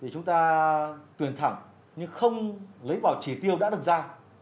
chúng ta tuyển thẳng nhưng không lấy vào chỉ tiêu đã được ra